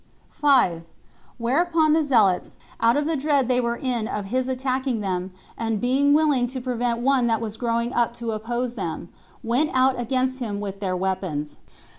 5. Whereupon the zealots, out of the dread they were in of his attacking them, and being willing to prevent one that was growing up to oppose them, went out against him with their weapons.